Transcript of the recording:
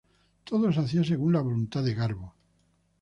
Todo se hacía según la voluntad de Garbo.